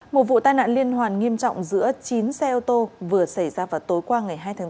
một vụ tai nạn liên hoàn nghiêm trọng giữa chín xe ô tô vừa xảy ra vào tối qua ngày hai tháng một